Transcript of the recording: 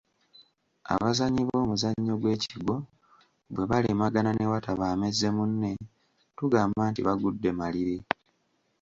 Abazannyi b’omuzannyo gw’ekigwo bwe balemagana ne wataba amezze munne, tugamba nti bagudde maliri.